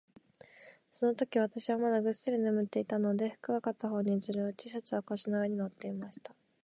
そのとき、私はまだぐっすり眠っていたので、服は片方にずり落ち、シャツは腰の上に載っていました。